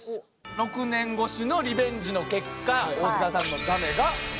６年越しのリベンジの結果大塚さんのだめがございました。